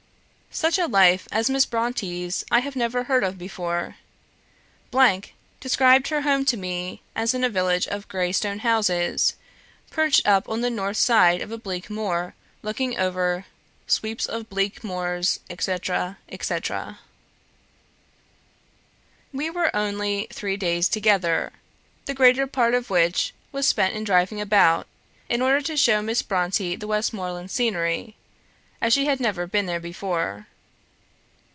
Such a life as Miss Brontë's I never heard of before. described her home to me as in a village of grey stone houses, perched up on the north side of a bleak moor, looking over sweeps of bleak moors, etc., etc. "We were only three days together; the greater part of which was spent in driving about, in order to show Miss Brontë the Westmoreland scenery, as she had never been there before.